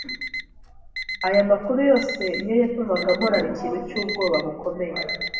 Aya makuru yose niyo yatumaga mporana ikintu cy’ubwoba bukomeye .